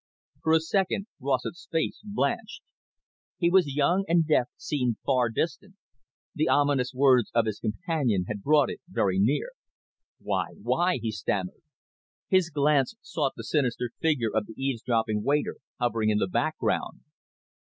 For a second, Rossett's face blanched. He was young, and death seemed far distant. The ominous words of his companion had brought it very near. "Why, why?" he stammered. His glance sought the sinister figure of the eavesdropping waiter hovering in the background.